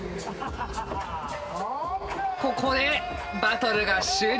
ここでバトルが終了。